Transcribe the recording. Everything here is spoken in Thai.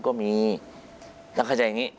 ก็มีแล้วเขาจะอย่างนี้